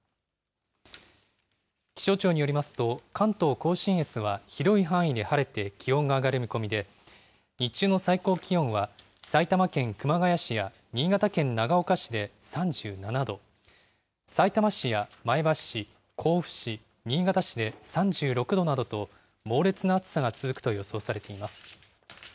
気象庁によりますと、関東甲信越は広い範囲で晴れて気温が上がる見込みで、日中の最高気温は、埼玉県熊谷市や新潟県長岡市で３７度、さいたま市や前橋市、甲府市、新潟市で３６度などと、猛烈な暑さが続くと予想されています。